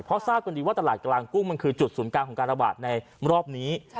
เพราะทราบกันดีว่าตลาดกลางกุ้งมันคือจุดศูนย์กลางของการระบาดในรอบนี้